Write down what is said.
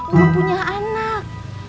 belum punya anak